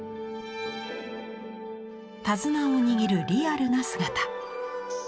手綱を握るリアルな姿。